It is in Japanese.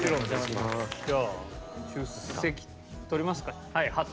じゃあ出席取りますか。